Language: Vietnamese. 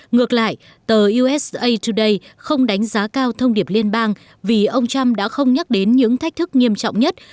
ngược lại tờ usa today không đánh giá cao thông điệp liên bang vì ông trump đã không nhắc đến những thách thức nghiêm trọng nhất